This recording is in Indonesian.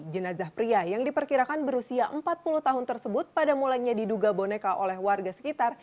jenazah pria yang diperkirakan berusia empat puluh tahun tersebut pada mulanya diduga boneka oleh warga sekitar